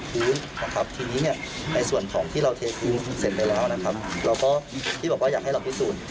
ซึ่งอันนี้พี่บอกตามตรงว่าพี่ผิดผิวค่ะ